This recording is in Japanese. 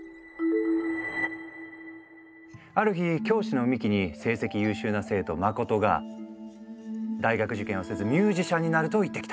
ある日教師の三木に成績優秀な生徒真が大学受験はせずミュージシャンになると言ってきた。